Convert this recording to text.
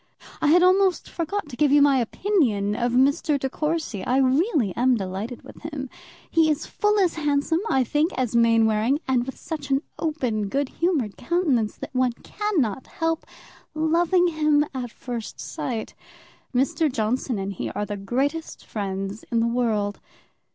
I had almost forgot to give you my opinion of Mr. De Courcy; I am really delighted with him; he is full as handsome, I think, as Mainwaring, and with such an open, good humoured countenance, that one cannot help loving him at first sight. Mr. Johnson and he are the greatest friends in the world.